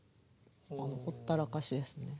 ほったらかしですね。